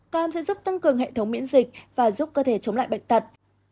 còn sẽ giúp tăng cường hệ thống miễn dịch và giúp cơ thể chống lại bệnh tật